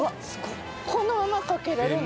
このまま掛けれるの？